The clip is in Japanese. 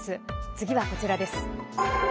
次はこちらです。